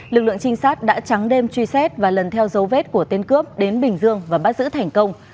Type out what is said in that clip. lực lượng trinh sát đã trắng đêm truy xét và lần theo dấu vết của tên cướp đến bình dương và bắt giữ thành công